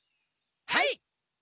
はい！